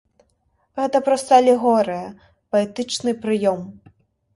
Гэта проста алегорыя, паэтычны прыём.